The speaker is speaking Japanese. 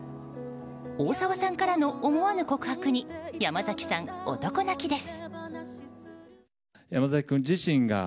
大沢さんからの思わぬ告白に山崎さん、男泣きです。